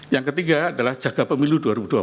yang ketiga adalah jaga pemilu dua ribu dua puluh